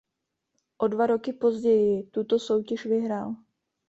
O dva roky později tuto soutěž vyhrál.